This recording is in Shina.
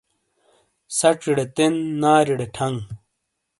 سَچے تَین، نارِیڑے ٹھانگ۔